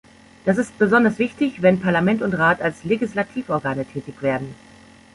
Das ist besonders wichtig, wenn Parlament und Rat als Legislativorgane tätig werden.